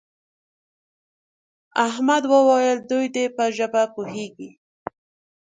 احمد وویل دوی دې په ژبه پوهېږي.